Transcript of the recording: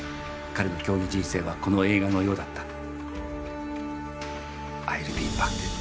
彼の競技人生はこの映画のようだった。